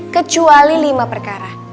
kecuali lima perkara